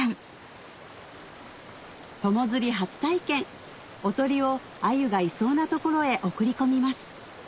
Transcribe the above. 友釣り初体験おとりをアユがいそうな所へ送り込みます